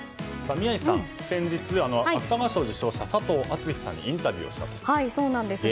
宮司さん、先日芥川賞を受賞した佐藤厚志さんにインタビューをしたと。